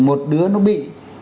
một đứa nó bị